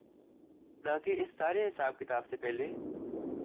نہ کہ اس سارے حساب کتاب سے پہلے۔